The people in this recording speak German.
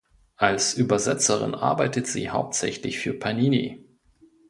Als Übersetzerin arbeitet sie hauptsächlich für Panini.